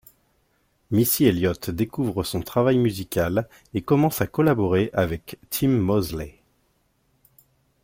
Missy Elliott découvre son travail musical et commence à collaborer avec Tim Mosley.